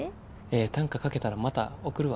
ええ短歌書けたらまた送るわ。